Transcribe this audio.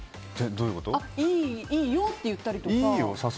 いいよって言ったりとか。